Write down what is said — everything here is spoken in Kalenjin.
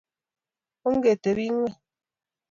ongetebii ing'weny